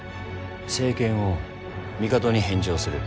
政権を帝に返上する。